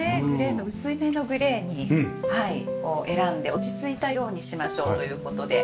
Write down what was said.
薄めのグレーに選んで落ち着いた色にしましょうという事で。